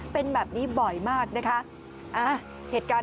เป็นแบบนี้บ่อยมากนะคะ